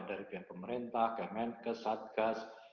dari pihak pemerintah kmn kesadgas